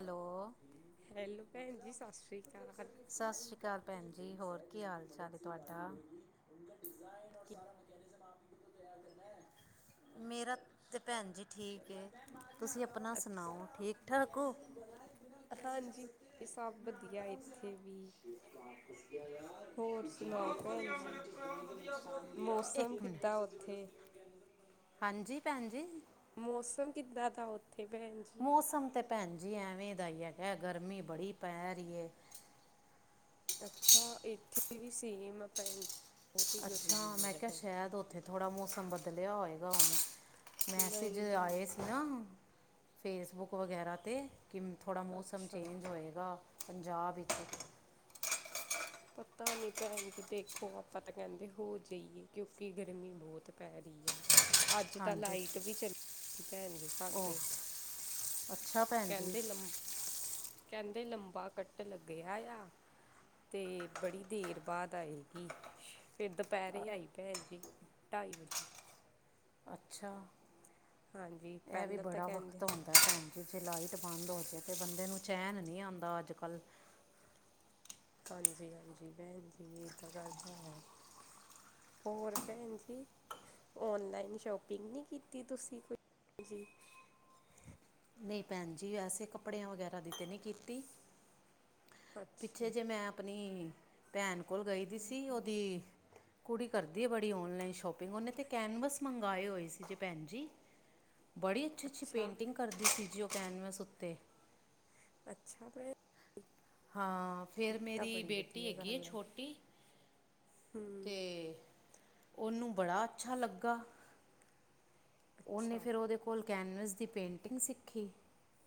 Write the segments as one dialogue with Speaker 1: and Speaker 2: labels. Speaker 1: Hello!
Speaker 2: Hello ਭੈਣ ਜੀ ਸਤਿ ਸ਼੍ਰੀ ਅਕਾਲ
Speaker 1: ਸਤਿ ਸ਼੍ਰੀ ਅਕਾਲ ਭੈਣ ਜੀ, ਹੋਰ ਕੀ ਹਾਲ-ਚਾਲ ਹੈ ਤੁਹਾਡਾ?
Speaker 2: ਕਿ
Speaker 1: ਮੇਰਾ ਤੇ ਭੈਣ ਜੀ ਠੀਕ ਏ, ਤੁਸੀਂ ਅਪ ਆਪਣਾ ਸੁਣਾਓ ਠੀਕ। ਠਾਕ ਹੋ
Speaker 2: ਹਾਂਜੀ, ਸਭ ਵਧੀਆ ਇੱਥੇ ਵੀ। ਹੋਰ ਸੁਣਾਓ ਭੈਣ ਜੀ ਮੌਸਮ
Speaker 1: ਇੱਕ
Speaker 2: ਕਿੱਦਾਂ
Speaker 1: ਮਿਨਟ।
Speaker 2: ਉੱਥੇ
Speaker 1: ਹਾਂਜੀ, ਭੈਣ ਜੀ।
Speaker 2: ਮੌਸਮ ਕਿੱਦਾਂ ਦਾ ਓਥੇ ਭੈਨਜੀ?
Speaker 1: ਮੌਸਮ ਤੇ ਭੈਨਜੀ ਐਵੇਂ ਦਾ ਈ ਹੈਗਾ, ਗਰਮੀ ਬੜੀ ਪੈ ਰੀ ਏ।
Speaker 2: ਅੱਛਾ, ਇੱਥੇ ਵੀ ਸੇਮ ਆ ਭੈਨਜੀ।
Speaker 1: ਅੱਛਾ! ਮੈਂ ਕਿਆ ਸ਼ੈਦ ਓਥੇ ਥੋੜ੍ਹਾ ਮੌਸਮ ਬਦਲਿਆ ਹੋਏਗਾ ਹੁਣ, ਮੈਸੇਜ
Speaker 2: ਨਹੀਂ ਨਹੀਂ
Speaker 1: ਆਏ ਸੀ ਨਾ ਫੇਸਬੁੱਕ ਵਗੈਰਾ ਤੇ ਕਿ ਥੋੜ੍ਹਾ ਮੌਸਮ
Speaker 2: ਅੱਛਾ
Speaker 1: ਚੇਂਜ ਹੋਏਗਾ। ਪੰਜਾਬ ਇਚ।
Speaker 2: ਪਤਾ ਨੀ ਭੈਨਜੀ ਦੇਖੋ ਆਪਾਂ ਤਾਂ ਕੈਂਦੇ ਹੋ ਜਾਈਏ ਕਿਉਂਕਿ ਗਰਮੀ ਬਹੁਤ ਪੈ ਰੀ ਐ। ਅੱਜ ਤਾਂ
Speaker 1: ਹਾਂਜੀ
Speaker 2: ਲਾਈਟ ਵੀ ਚਲੀ ਗਈ ਸੀ ਭੈਨਜੀ
Speaker 1: ਉਹ
Speaker 2: ਸਾਡੇ।
Speaker 1: ਅੱਛਾ ਭੈਨ ਜੀ।
Speaker 2: ਕੈਂਦੇ ਲੰਬਾ ਕੱਟ ਲੱਗਿਆ ਆ ਤੇ ਬੜੀ ਦੇਰ ਬਾਅਦ ਆਏਗੀ ਫੇਰ ਦੁਪੈਰੇ ਆਈ ਭੈਣ ਜੀ ਢਾਈ ਵਜੇ।
Speaker 1: ਅੱਛਾ!
Speaker 2: ਹਾਂਜੀ
Speaker 1: ਐ ਵੀ
Speaker 2: ਪਹਿਲਾਂ ਤਾਂ
Speaker 1: ਬੜਾ
Speaker 2: ਕਹਿੰਦੇ
Speaker 1: ਵਕਤ
Speaker 2: ਸੀ।
Speaker 1: ਆਉਂਦਾ ਟਾਈਮ ਜੇ ਲਾਈਟ ਬੰਦ ਹੋ ਜੇ ਤੇ ਬੰਦੇ ਨੂੰ ਚੈਨ ਨੀ ਆਂਦਾ ਅੱਜ ਕੱਲ੍ਹ।
Speaker 2: ਹਾਂਜੀ-ਹਾਂਜੀ ਭੈਨ ਜੀ ਏ ਤਾਂ ਗੱਲ ਹੈ। ਹੋਰ ਭੈਨਜੀ? ਔਨਲਾਈਨ ਸ਼ੋਪਿੰਗ ਨੀ ਕੀਤੀ ਤੁਸੀਂ ਭੈਨਜੀ?
Speaker 1: ਨਈ ਭੈਨ ਜੀ ਵੈਸੇ ਕੱਪੜਿਆਂ ਵਗੈਰਾ ਦੀ ਤੇ ਨੀ ਕੀਤੀ
Speaker 2: ਅੱਛਾ
Speaker 1: ਪਿੱਛੇ ਜੇ ਮੈਂ ਅਪਣੀ ਭੈਣ ਕੋਲ ਗਈ ਦੀ ਸੀ ਓਦੀ ਕੁੜੀ ਕਰਦੀ ਏ ਬੜੀ ਔਨਲਾਈਨ ਸ਼ੋਪਿੰਗ ਓਨੇ ਤੇ ਕੈਨਵਸ ਮੰਗਾਏ ਹੋਏ ਸੀ ਜੇ ਭੈਨ ਜੀ। ਬੜੀ ਅੱਛੀ-ਅੱਛੀ
Speaker 2: ਅੱਛਾ
Speaker 1: ਪੇਂਟਿੰਗ ਕਰਦੀ ਸੀ ਜੀ ਓ ਕੈਨਵਸ ਉੱਤੇ।
Speaker 2: ਅੱਛਾ ਭੈਨ
Speaker 1: ਹਾਂ। ਫੇਰ
Speaker 2: ਤਾਂ
Speaker 1: ਮੇਰੀ
Speaker 2: ਬੜੀ
Speaker 1: ਬੇਟੀ
Speaker 2: ਵਧੀਆ
Speaker 1: ਹੈਗੀ ਏ
Speaker 2: ਗੱਲ ਹੈ
Speaker 1: ਛੋਟੀ ਤੇ
Speaker 2: ਹੂੰ
Speaker 1: ਓਨੂੰ ਬੜਾ ਅੱਛਾ ਲੱਗਾ ਓਨੇ
Speaker 2: ਅੱਛਾ
Speaker 1: ਫੇਰ ਓਦੇ ਕੋਲ ਕੈਨਵਸ ਦੀ ਪੇਂਟਿੰਗ ਸਿੱਖੀ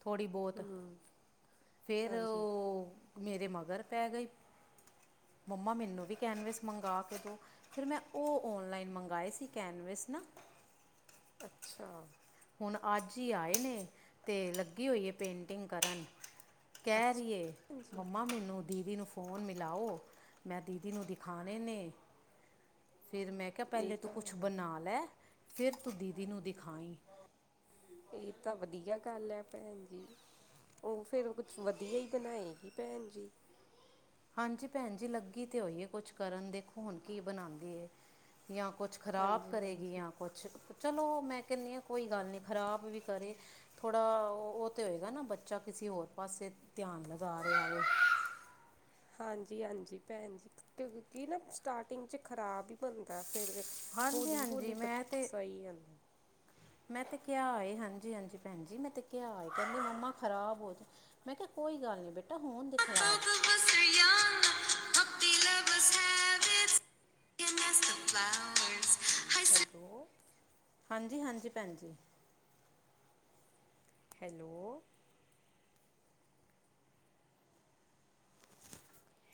Speaker 1: ਥੋੜ੍ਹੀ ਬੋਤ
Speaker 2: ਹੂੰ
Speaker 1: ਫੇਰ
Speaker 2: ਹਾਂਜੀ
Speaker 1: ਓ ਮੇਰੇ ਮਗਰ ਪੈ ਗਈ, ਮੰਮਾ ਮੈਨੂੰ ਵੀ ਕੈਨਵਸ ਮੰਗਾ ਕੇ ਦੋ ਫੇਰ ਮੈਂ ਓ ਔਨਲਾਈਨ ਮੰਗਾਏ ਸੀ ਕੈਨਵਸ ਨਾ।
Speaker 2: ਅੱਛਾ।
Speaker 1: ਹੁਨ ਅੱਜ ਈ ਆਏ ਨੇ ਤੇ ਲੱਗੀ ਹੋਈ ਏ ਪੇਂਟਿੰਗ ਕਰਨ ਕੈ
Speaker 2: ਅੱਛਾ
Speaker 1: ਰੀ ਏ
Speaker 2: ਭੈਣ ਜੀ
Speaker 1: ਮੰਮਾ ਮੈਨੂੰ ਦੀਦੀ ਨੂੰ ਫੋ ਫ਼ੋਨ ਮਿਲਾਓ, ਮੈਂ ਦੀਦੀ ਨੂੰ ਦਿਖਾਣੇ ਨੇ ਫਿਰ ਮੈਂ ਕਿਆ
Speaker 2: ਇਹ
Speaker 1: ਪੈਲੇ ਤੂੰ ਕੁਛ
Speaker 2: ਤਾਂ
Speaker 1: ਬਣਾ ਲੈ ਫੇਰ ਤੂੰ ਦੀਦੀ ਨੂੰ ਦਿਖਾਈ।
Speaker 2: ਏ ਤਾਂ ਵਧੀਆ ਗੱਲ ਐ ਭੈਨਜੀ। ਹੁਨ ਫੇਰ ਓ ਕੁਛ ਵਧੀਆ ਈ ਬਣਾਏਗੀ ਭੈਨਜੀ?
Speaker 1: ਹਾਂਜੀ ਭੈਨਜੀ ਲੱਗੀ ਤੇ ਹੋਈ ਏ ਕੁਛ ਕਰਨ ਦੇਖੋ ਹੁਣ ਕੀ ਬਨਾਂਦੀ ਏ ਯਾਂ ਕੁਛ ਖਰਾਬ
Speaker 2: ਹਾਂਜੀ
Speaker 1: ਕਰੇਗੀ
Speaker 2: ਹਾਂਜੀ
Speaker 1: ਯਾ ਕੁਛ, ਚਲੋ ਮੈਂ ਕੈਂਨੀ ਆ ਕੋਈ ਗੱਲ ਨੀ ਖਰਾਬ ਵੀ ਕਰੇ ਥੋੜਾ ਓ ਤੇ ਹੋਏਗਾ ਨਾ ਬੱਚਾ ਕਿਸੇ ਹੋਰ ਪਾਸੇ ਧਿਆਨ ਲਗਾ ਰਿਆ ਵੇ।
Speaker 2: ਹਾਂਜੀ-ਹਾਂਜੀ ਭੈਨ ਜੀ ਕਿਉਂਕਿ ਨਾ ਸਟਾਰਟਿੰਗ ਚ ਖ਼ਰਾਬ ਈ ਬਨਦਾ ਫੇਰ,
Speaker 1: ਹਾਂਜੀ ਹਾਂਜੀ
Speaker 2: ਹੋਲੀ-ਹੋਲੀ ਬਚ
Speaker 1: ਮੈਂ ਤੇ
Speaker 2: ਸਈ ਹੁੰ
Speaker 1: ਮੈਂ ਤੇ ਕਿਆ ਏ, ਹਾਂਜੀ-ਹਾਂਜੀ ਭੈਨਜੀ ਮੈਂ ਤੇ ਕਿਆ ਏ, ਕੈਂਦੀ ਮੰਮਾ ਖਰਾਬ ਹੋਜੇ ਮੈਂ ਕਿਆ ਕੋਈ ਗੱਲ ਨੀ ਬੇਟਾ ਹੋਨ ਦੇ ਖਰਾਬ [unintelligible] [inaudible] [inaudible]
Speaker 2: ਹੈਲੋ।
Speaker 1: ਹਾਂਜੀ-ਹਾਂਜੀ, ਭੈਨ ਜੀ।
Speaker 2: ਹੈਲੋ।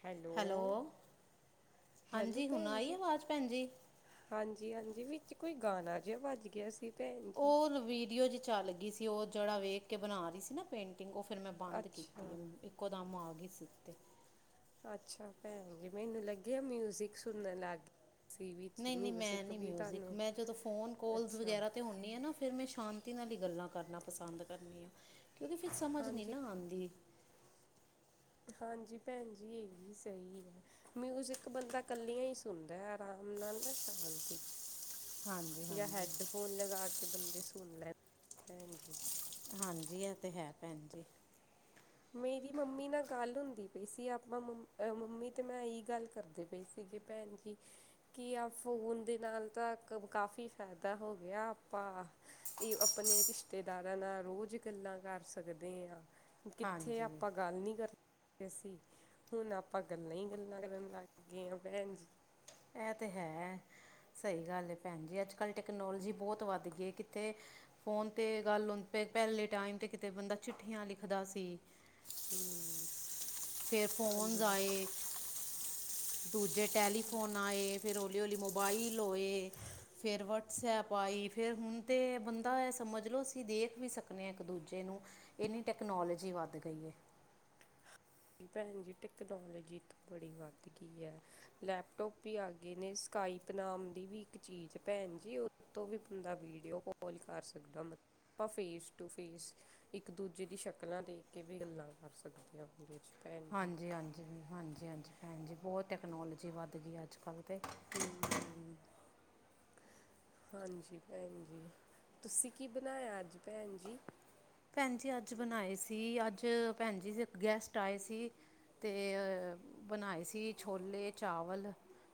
Speaker 2: ਹੈਲੋ, ਹੈਲੋ
Speaker 1: ਹਾਂਜੀ ਹੁਣ
Speaker 2: ਭੈਨ
Speaker 1: ਆਈ
Speaker 2: ਜੀ।
Speaker 1: ਆਵਾਜ਼ ਭੈਣ ਜੀ
Speaker 2: ਹਾਂਜੀ-ਹਾਂਜੀ, ਵਿੱਚ ਕੋਈ ਗਾਨਾ ਜੇਆ ਵਾੱਜ ਗੇਆ ਸੀ, ਭੈਨ ਜੀ।
Speaker 1: ਉਹ ਵੀਡੀਓ ਜੀ ਚਾੱਲ ਗੀ ਸੀ, ਓ ਜੇੜਾ ਵੇਖ ਕੇ ਬਨਾ ਰੀ ਸੀ ਨਾ। ਪੇਂਟਿੰਗ ਓ ਫਿਰ ਮੈਂ ਬਾੰਦ ਕੀਤੀ
Speaker 2: ਅੱਛਾ
Speaker 1: ਓਨੂ, ਇੱਕੋ ਦਮ ਆਗੀ ਸੀ ਓਤੇ।
Speaker 2: ਅੱਛਾ ਭੈਨ ਜੀ, ਮੈਨੂੰ ਲਗੇਆ ਮਿਊਜਿਕ ਸੁਨਨ ਲਾੱਗ
Speaker 1: ਨਈ-ਨਈ, ਮੈਂ ਨੀ ਮਿਊਜ਼ਿਕ,
Speaker 2: ਤੁਹਾਨੂੰ
Speaker 1: ਮੈਂ ਜਦੋਂ ਫੋਨ ਕੋਲਸ
Speaker 2: ਅੱਛਾ
Speaker 1: ਵਗੈਰਾ ਤੇ ਹੋਨ ਨੀ ਏ ਨਾ ਫਿਰ ਮੈਂ ਸ਼ਾਂਤੀ ਨਾਲ ਈ ਗੱਲਾਂ ਕਰਨਾ ਪਸੰਦ ਕਰਨੀ ਆ। ਕੋਓਂਕੀ ਫਿਰ ਸਮਝ ਨੀ
Speaker 2: ਹਾਂਜੀ
Speaker 1: ਨਾ ਆਂਦੀ।
Speaker 2: ਹਾਂਜੀ ਭੈਨ ਜੀ, ਏ ਵੀ ਸਈ ਐ। ਮਿਊਜਿਕ ਬੰਦਾ ਕੱਲੇਆਂ ਈ ਸੁਨਦੈ, ਅਰਾਮ ਨਾਲ ਨਾ ਸ਼ਾਂਤੀ ਚ।
Speaker 1: ਹਾਂਜੀ।
Speaker 2: ਯਾ
Speaker 1: ਹਾਂਜੀ
Speaker 2: ਹੈਡਫੋਨ ਲਗਾ ਕੇ ਬੰਦੇ ਸੁਨ ਲੈਨ ਭੈਨ ਜੀ।
Speaker 1: ਹਾਂਜੀ, ਐ ਤੇ ਹੈ ਭੈਨ ਜੀ।
Speaker 2: ਮੇਰੀ ਮੰਮੀ ਨਾਲ ਗਾੱਲ ਹੁੰਦੀ ਪਈ ਸੀ, ਆਪਾਂ ਮੰਮ, ਮੰਮੀ ਤੇ ਮੈਂ ਏਈ ਗਾੱਲ ਕਰਦੇ ਪੇ ਸੀ ਸੀਗੇ ਭੈਨ ਜੀ। ਕੀ ਆ ਫੋਨ ਦੇ ਨਾਲ ਤਾ ਕਾਫੀ ਫਾਏਦਾ ਹੋ ਗੇਆ, ਆਪਾਂ ਏ ਅਪਨੇ ਰਿਸ਼ਤੇਦਾਰਾਂ ਨਾਲ ਰੋਜ ਗੱਲਾਂ ਕਾਰ ਸਕਦੇ ਆਂ। ਕਿੱਥੇ
Speaker 1: ਹਾਂਜੀ
Speaker 2: ਆਪਾਂ ਗਾੱਲ ਨੀ ਕਰ ਸੀ, ਹੁਨ ਆਪਾਂ ਗੱਲਾਂ ਈ ਗੱਲਾਂ ਕਰਨ ਲਾੱਗ ਗੇ ਆਂ, ਭੈਨ ਜੀ।
Speaker 1: ਐ ਤੇ ਹੈ, ਸਈ ਗਾੱਲ ਏ ਭੈਨ ਜੀ, ਆੱਜ ਕੱਲ ਟੈਕਨੋਲੋਜੀ ਬੋਤ ਵਾੱਲ ਗੀ ਏ ਕਿਤੇ ਫੋਨ ਤੇ ਗਾੱਲ ਹੁਨ, ਪੇ ਪ੍ਹੈਲੇ ਟਾਈਮ ਤੇ ਕਿਤੇ ਬੰਦਾ ਚਿੱਠੀਆਂ ਲਿਖਦਾ ਸੀ।
Speaker 2: ਹੂੰ।
Speaker 1: ਫੇਰ ਫੋਨਸ ਆਏ, ਦੂਜੇ ਟੈਲੀਫੋਨ ਆਏ। ਫੇਰ ਹੌਲੀ-ਹੌਲੀ ਮੋਬਾਈਲ ਹੋਏ ਫੇਰ ਵਟਸਐਪ ਆਈ, ਫੇਰ ਹੁਨ ਤੇ ਬੰਦਾ ਐ ਸਮਜ ਲੋ, ਅਸੀ ਦੇਖ ਵੀ ਸਕਨੇ ਆਂ ਇੱਕ ਦੂਜੇ ਨੂੰ। ਏਨੀ ਟੈਕਨੋਲੋਜੀ ਵਾੱਦ ਗਈ ਏ।
Speaker 2: ਭੈਨ ਜੀ, ਟੈਕਨੋਲਜੀ ਤਾਂ ਬੜੀ ਵਾੱਦ ਗਈ ਐ। ਲੈਪਟੋਪ ਵੀ ਆ ਗੇ ਨੇ, ਸਕਾਈਪ ਨਾਮ ਦੀ ਵੀ ਇੱਕ ਚੀਜ, ਭੈਨ ਜੀ ਓ ਤੋ ਵੀ ਬੰਦਾ ਵੀਡੀਓ ਕੋਲ ਕਾਰ ਸਕਦਾ ਮਤ ਪਾ ਫੇਸ ਟੂ ਫੇਸ ਇੱਕ ਦੂਜੇ ਦੀ ਸ਼ਕਲਾਂ ਦੇਖ ਕੇ ਵੀ ਗੱਲਾਂ ਕਾਰ ਸਕਦੇ ਆਂ ਓਦੇਂ ਚ। ਭੈਣ ਜੀ
Speaker 1: ਹਾਂਜੀ, ਹਾਂਜੀ, ਹਾਂਜੀ, ਹਾਂਜੀ, ਭੈਨ ਜੀ, ਬੋਤ ਟੈਕਨੋਲਜੀ ਵਾੱਦ ਗੀ ਏ ਆੱਜ-ਕਾੱਲ ਤੇ।
Speaker 2: ਹੂੰ। ਹਾਂਜੀ ਭੈਨ ਜੀ, ਤੂਸੀ ਕੀ ਬਨਾਏਆ ਆੱਜ ਭੈਨ ਜੀ?
Speaker 1: ਭੈਨ ਜੀ ਆੱਜ ਬਨਾਏ ਸੀ, ਆੱਜ ਭੈਣ ਜੀ ਇੱਕ ਗੈਸਟ ਆਏ ਸੀ। ਤੇ ਅ ਬਨਾਏ ਸੀ, ਛੋਲੇ, ਚਾਵਲ,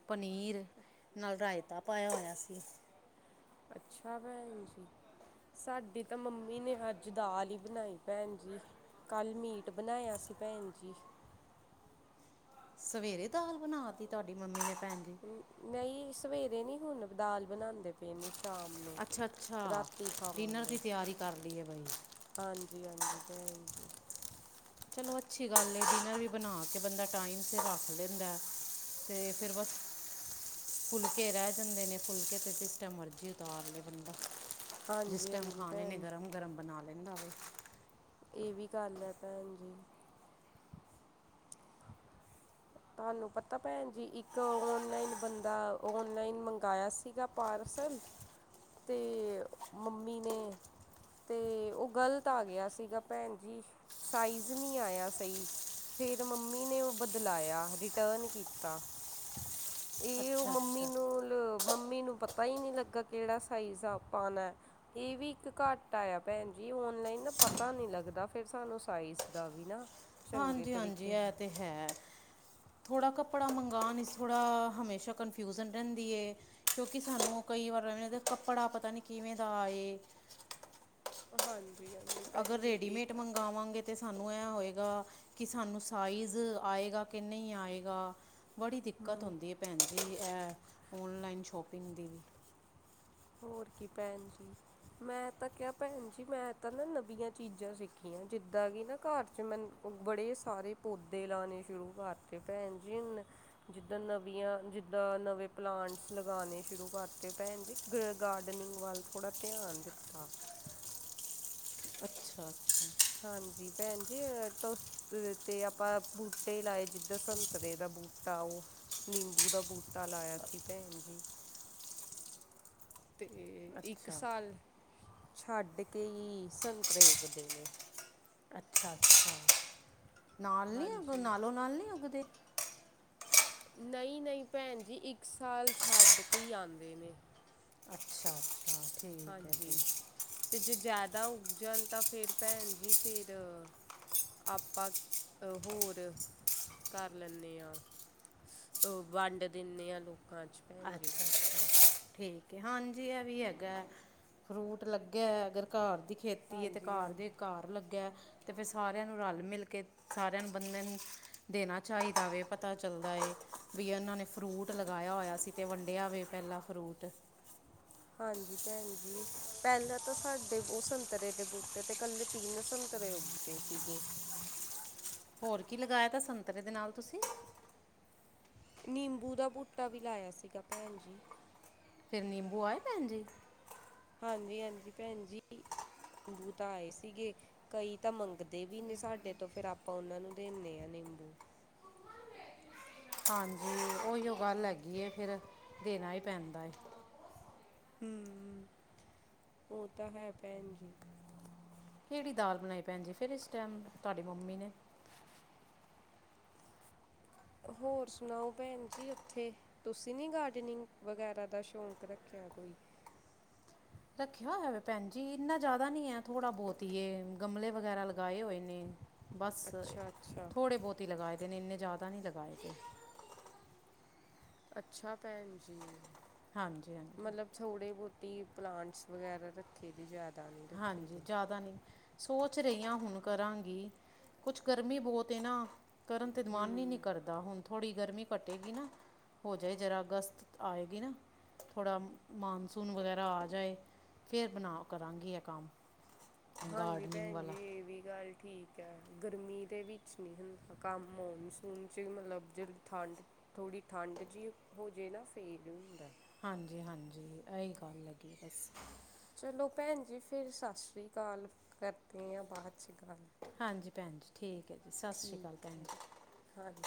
Speaker 1: ਪਨੀਰ ਨਾਲ ਰਾਏਤਾ ਪਾਏਆ ਹੋਏਆ ਸੀ।
Speaker 2: ਅੱਛਾ ਭੈਨ ਜੀ। ਸਾਡੀ ਤਾਂ ਮੰਮੀ ਨੇ ਆੱਜ ਦਾਲ ਈ ਬਨਾਈ ਭੈਨ ਜੀ। ਕਾੱਲ ਮੀਟ ਬਨਾਏਆ ਸੀ, ਭੈਨ ਜੀ।
Speaker 1: ਸਵੇਰੇ ਦਾਲ ਬਨਾ ਤੀ ਤੂਆਡੀ ਮੰਮੀ ਨੇ, ਭੈਣ ਜੀ?
Speaker 2: ਨਈ ਸਵੇਰੇ ਨੀ ਹੁਨ, ਦਾਲ ਬਨਾਂਦੇ ਪਏ ਨੇ ਸ਼ ਸ਼ਾਮ ਨੂੰ,
Speaker 1: ਅੱਛਾ ਅੱਛਾ
Speaker 2: ਰਾਤੀ
Speaker 1: ਡਿਨਰ ਦੀ
Speaker 2: ਖਾਵਾਂਗੇ।
Speaker 1: ਤਿਆਰੀ ਕਰ ਲਈ ਹੈ ਬਾਈ
Speaker 2: ਹਾਂਜੀ-ਹਾਂਜੀ, ਭੈਨ ਜੀ।
Speaker 1: ਚਲੋ ਅੱਛੀ ਗਾੱਲ ਏ, ਡਿਨਰ ਵੀ ਬਨਾ ਕੇ ਬੰਦਾ ਟਾਈਮ ਸਿਰ ਰਾੱਖ ਦੇਂਦੈ। ਤੇ ਫੇਰ, ਬੱਸ। ਫੁਲਕੇ ਰੈ ਜਾਂਦੇ ਨੇ, ਫੁਲਕੇ ਤੇ ਜਿਸ ਟੈਮ ਮਰਜੀ ਉਤਾਰ ਲੇ ਬੰਦਾ। ਜਿਸ
Speaker 2: ਹਾਂਜੀ
Speaker 1: ਟੈਮ
Speaker 2: ਹਾਂਜੀ
Speaker 1: ਖਾਨੇ ਨੇ
Speaker 2: ਭੈਣ
Speaker 1: ਗਰਮ-ਗਰਮ ਬਨਾ ਲੈਂਦਾ ਵੇ।
Speaker 2: ਏ ਵੀ ਗਾੱਲ ਏ, ਭੈਨ ਜੀ। ਤੂਆਨੂੰ ਪਤੈ ਭੈਨ ਜੀ, ਇੱਕ ਓਨਲਾਈਨ ਬੰਦਾ, ਓਨਲਾਈਨ ਮੰਗਾਏਆ ਸ ਸੀਗਾ ਪਾਰਸਲ, ਤੇ ਮੰਮੀ ਨੇ ਤੇ ਓ ਗ਼ਲਤ ਆ ਗੇਆ ਸੀਗਾ ਭੈਨ ਜੀ, ਸਾਈਜ ਨੀ ਆਏਆ ਸਈ। ਫੇਰ ਮੰਮੀ ਨੇ ਓ ਬਦਲਾਏਆ। ਰਿਟਰਨ ਕੀਤਾ, ਏ ਓ
Speaker 1: ਅੱਛਾ
Speaker 2: ਮੰਮੀ
Speaker 1: ਅੱਛਾ
Speaker 2: ਨੂੰ ਲ ਮੰਮੀ ਨੂੰ ਪਤਾ ਈ ਨੀ ਲੱਗਾ, ਕੈੜਾ ਸਾਈਜ ਆ ਪਾਨੇ। ਏ ਵੀ ਇੱਕ ਘਾਟਾ ਆਏਆ ਭੈਨ ਜੀ, ਔਨਲਾਈਨ ਨਾ ਪਤਾ ਨੀ ਲੱਗਦਾ, ਫੇਰ ਸਾਨੂੰ ਸਾਈਜ ਦਾ ਵੀ ਨਾ। ਚੰਗੇ
Speaker 1: ਹਾਂਜੀ-ਹਾਂਜੀ,
Speaker 2: ਤਰੀਕੇ
Speaker 1: ਐ ਤੇ
Speaker 2: ਨਾਲ
Speaker 1: ਹੈ। ਥੋੜਾ ਕੱਪੜਾ ਮੰਗਾਨ ਇਚ ਥੋੜਾ ਹਮੇਸ਼ਾ ਕਨਫਿਊਜਨ ਰੈਂਦੀ ਏ। ਕਿਉਂਕਿ ਸਾਨੂੰ ਕਈ ਵਾਰ ਐਵੇਂ ਲਗਦੈ, ਕੱਪੜਾ ਪਤਾ ਨੀ ਕਿਵੇਂ ਦਾ ਆਏ।
Speaker 2: ਹਾਂਜੀ-ਹਾਂਜੀ।
Speaker 1: ਅਗਰ ਰੇਡੀਮੇਟ ਮੰਗਵਾਂਗੇ ਤੇ ਸਾਨੂੰ ਐ ਹੋਏਗਾ ਕਿ ਸਾਨੂੰ ਸਾਈਜ ਆਏਗਾ ਕੇ ਨਈ ਆਏਗਾ। ਬੜੀ ਦਿੱਕਤ ਹੋਂਦੀ ਏ ਭੈਨ ਜੀ, ਐ ਔਨਲਾਈਨ ਸ਼ੋਪਿੰਗ ਦੀ ਵੀ।
Speaker 2: ਹੋਰ ਕੀ, ਭੈਨ ਜੀ। ਮੈਂ ਤਾਂ ਕੇਆ, ਭੈਨ ਜੀ। ਮੈਂ ਤਾਂ ਨਾ ਨਵੀਆਂ ਚੀਜਾਂ ਸਿੱਖੀਆਂ, ਜਿੱਦਾਂ ਕਿ ਨਾ ਘਾਰ ਚ ਮੈਨੂੰ ਬੜੇ ਸਾਰੇ ਪੌਦੇ ਲਾਨੇ ਸ਼ੁਰੂ ਕਾਰਤੇ, ਭੈਨ ਜੀ, ਮੈਂ ਜਿੱਦਾਂ ਨਵੀਆਂ, ਜਿੱਦਾਂ ਨਵੇਂ ਪਲਾਂਟਸ ਲਗਾਨੇ ਸ਼ੁਰੂ ਕਾਰਤੇ, ਭੈਨ ਜੀ। ਗ ਗਾਰਡਨਿੰਗ ਵਾੱਲ ਥੋੜਾ ਧੇਆਨ ਦਿੱਤਾ।
Speaker 1: [unintelligible] ਅੱਛ ਛਾ, ਛਾ [unintelligible]
Speaker 2: ਹਾਂਜੀ, ਭੈਨ ਜੀ ਅ ਤੁਸ ਅ ਤੇ ਆਪਾ ਬੂਟੇ ਲਾਏ ਜਿੱਦਾਂ, ਸੰਤਰੇ ਦਾ ਬੂਟਾ, ਓਹ ਨਿੰਬੂ ਦਾ ਬੂਟਾ ਲਾਏਆ ਸੀ, ਭੈਨ ਜੀ। ਤੇ ਇੱਕ
Speaker 1: ਅੱਛਾ
Speaker 2: ਸਾਲ ਛਾੱਡ ਕੇ ਈ ਸੰਤਰੇ ਉਗਦੇ ਨੇ।
Speaker 1: ਅੱਛਾ-ਅੱਛਾ, ਨਾਲ ਨੀ ਉਗ,
Speaker 2: ਹਾਂਜੀ
Speaker 1: ਨਾਲੋਂ-ਨਾਲ ਨੀ ਉੱਗਦੇ।
Speaker 2: ਨਈ-ਨਈ ਭੈਨ ਜੀ, ਇੱਕ ਸਾਲ ਛਾੱਡ ਕੇ ਈ ਆਂਦੇ ਨੇ।
Speaker 1: ਅੱਛਾ-ਅੱਛਾ, ਠੀਕ। ਹੈ
Speaker 2: ਹਾਂਜੀ,
Speaker 1: ਜੀ
Speaker 2: ਤੇ ਜੇ ਜਾਦਾ ਉਗ ਜਾਨ ਤਾਂ ਫੇਰ, ਭੈਨ ਜੀ ਫੇਰ ਆਪਾਂ ਅ ਹੋਰ ਕਾਰ ਲੈਂਨੇ ਆ। ਸ, ਅ ਵਾੰਡ ਦੇਨੇ ਆ, ਲੋਕਾਂ ਚ। ਭੈਣ ਜੀ
Speaker 1: ਅੱਛਾ-ਅਛਾ, ਠੀਕ। ਕਿ ਹਾਂਜੀ ਐ ਵੀ ਹੈਗੈ, ਫਰੂਟ ਲੱਗੇਆ ਐ, ਅਗਰ ਘਾਰ ਦੀ ਖੇਤੀ ਏ, ਤੇ
Speaker 2: ਹਾਂਜੀ
Speaker 1: ਘਾਰ
Speaker 2: ਹਾਂਜੀ।
Speaker 1: ਦੇ ਘਾਰ ਲੱਗੇਐ, ਤੇ ਫੇਰ ਸਾਰੇਆਂ ਨੂੰ ਰਾਲ-ਮਿਲ ਕੇ ਸਾਰੇਆਂ ਨ ਬੰਦੇ ਨੂੰ ਦੇਨਾ ਚਾਈਦਾ ਵੇ, ਪਤਾ ਚੱਲਦਾ ਏ ਵੀ ਏਨਾਂ ਨੇ ਫਰੂਟ ਲਗਾਏਆ ਹੋਏਆ ਸੀ, ਤੇ ਵੰਡੇਆ ਵੇ ਪ੍ਹੈਲਾਂ ਫਰੂਟ।
Speaker 2: ਹਾਂਜੀ, ਭੈਨ ਜੀ। ਪਹਿਲਾਂ ਤਾਂ ਸਾਡੇ ਉਹ, ਸੰਤਰੇ ਦੇ ਬੂਟੇ ਤੇ ਕੱਲੇ ਤਿੰਨ ਸੰਤਰੇ ਉੱਗਏ ਸੀਗੇ।
Speaker 1: [inaudible] ਹੋਰ ਕੀ ਲਗਾਇਆ ਦਾ ਸੰਤਰੇ ਦੇ ਨਾਲ ਤੁਸੀਂ?
Speaker 2: ਨਿੰਬੂ ਦਾ ਬੂਟਾ ਵੀ ਲਾਇਆ ਸੀਗਾ ਭੈਣ ਜੀ।
Speaker 1: ਫਿਰ ਨਿੰਬੂ ਆਏ ਭੈਣ ਜੀ?
Speaker 2: ਹਾਂਜੀ ਹਾਂਜੀ ਭੈਣ ਜੀ ਬੂ ਤਾਂ ਆਏ ਸੀਗੇ। ਕਈ ਤਾਂ ਮੰਗਦੇ ਵੀ ਨੇ ਸਾਡੇ ਤੋਂ, ਫਿਰ ਆਪਾਂ ਉਹਨਾਂ ਨੂੰ ਦੇਨੇ ਹਾਂ ਨਿੰਬੂ।
Speaker 1: ਹਾਂਜੀ ਉਹੀਓ ਗੱਲ ਹੈਗੀ ਏ ਫਿਰ ਦੇਣਾ ਹੀ ਪੈਂਦਾ ਏ।
Speaker 2: ਹੂੰ ਹੂੰ ਉਹ ਤਾਂ ਹੈ ਭੈਣ ਜੀ।
Speaker 1: ਕਿਹੜੀ ਦਾਲ ਬਣਾਈ ਭੈਣ ਜੀ ਫਿਰ ਇਸ ਟਾਈਮ, ਤੁਹਾਡੀ ਮੰਮੀ ਨੇ
Speaker 2: ਹੋਰ ਸੁਣਾਓ ਭੈਣ ਜੀ ਉੱਥੇ ਤੁਸੀਂ ਨੀ ਗਾਰਡਨਿੰਗ ਵਗੈਰਾ ਦਾ ਸ਼ੌਕ ਰੱਖਿਆ ਕੋਈ?
Speaker 1: ਰੱਖਿਆ ਹੋਇਆ ਭੈਣ ਜੀ ਇੰਨਾ ਜ਼ਿਆਦਾ ਨੀ ਹੈ ਥੋੜਾ ਬਹੁਤ ਹੀਏ, ਗਮਲੇ ਵਗੈਰਾ ਲਗਾਏ ਹੋਏ ਨੇ। ਬਸ
Speaker 2: ਅੱਛਾ ਅੱਛਾ
Speaker 1: ਥੋੜ੍ਹੇ ਬਹੁਤ ਲਗਾਏ ਦੇ ਨੇ ਇੰਨੇ ਜ਼ਿਆਦਾ ਨਹੀਂ ਲਗਾਏ ਦੇ।
Speaker 2: ਅੱਛਾ ਭੈਣ ਜੀ।
Speaker 1: ਹਾਂਜੀ ਹਾਂਜੀ।
Speaker 2: ਥੋੜ੍ਹੇ ਬਹੁਤੀ ਪਲਾਂਟਸ ਵਗੈਰਾ ਰੱਖੇ ਦੇ ਜ਼ਿਆਦ
Speaker 1: ਹਾਂਜੀ ਜ਼ਿਆਦਾ ਨਹੀਂ। ਸੋਚ ਰਹੀ ਆਂ ਹੁਣ ਕਰਾਂਗੀ, ਕੁਛ ਗਰਮੀ ਬਹੁਤ ਏ ਨਾ। ਕਰਨ ਤੇ ਮਨ ਹੀ
Speaker 2: ਹੂੰ
Speaker 1: ਨਹੀਂੀ ਕਰਦਾ ਹੁਣ ਥੋੜ੍ਹੀ ਗਰਮੀ ਘੱਟੇਗੀ ਨਾ ਹੋ ਜਾਏ ਜਰਾ ਅਗਸਤ ਆਏਗੀ ਨਾ ਥੋੜ੍ਹਾ ਮਾਨਸੂਨ ਵਗੈਰਾ ਆ ਜਾਏ। ਫੇਰ ਬਣਾ ਕਰਾਂਗੀ ਆ ਕੰਮ।
Speaker 2: ਹਾਂਜੀ
Speaker 1: ਗਾਰਡਨਿੰਗ
Speaker 2: ਭੈਣ
Speaker 1: ਵਾਲਾ
Speaker 2: ਜੀ ਇਹ ਵੀ ਗੱਲ ਠੀਕ ਹੈ ਗਰਮੀ ਦੇ ਵਿੱਚ ਨਹੀਂ ਹੁੰਦਾ ਕੰਮ, ਮੌਨਸੂਨ ਚ ਮਤਲਬ ਜਿਹੜੀ ਠੰਡ ਥੋੜ੍ਹੀ ਠੰਡ ਜਿਹੀ ਹੋ ਜਾਏ ਨਾ ਫੇਰ ਹੁੰਦਾ।
Speaker 1: ਹਾਂਜੀ ਹਾਂਜੀ ਇਹੀ ਗੱਲ ਲੱਗੀ ਬਸ
Speaker 2: ਚਲੋ ਭੈਣ ਜੀ ਫਿਰ ਸਤਿ ਸ਼੍ਰੀ ਅਕਾਲ। ਕਰਦੇ ਆਂ ਬਾਅਦ 'ਚ ਗੱਲ
Speaker 1: ਹਾਂਜੀ ਭੈਣ ਜੀ ਠੀਕ ਏ ਜੀ। ਸਤਿ ਸ਼੍ਰੀ ਅਕਾਲ
Speaker 2: ਠੀਕ
Speaker 1: ਭੈਣ
Speaker 2: ਹੈ
Speaker 1: ਜੀ
Speaker 2: ਹਾਂਜੀ।